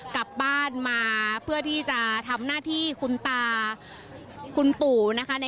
กลับบ้านมาเพื่อที่จะทำหน้าที่คุณตาคุณปู่นะคะ